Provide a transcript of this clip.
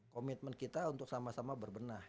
komitmen kita untuk sama sama berbenah gitu kan